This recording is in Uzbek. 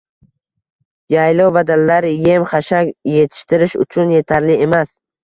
Yaylov va dalalar em -xashak etishtirish uchun etarli emas